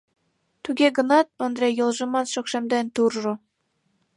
Туге гынат Ондре йолжымат шокшемден туржо.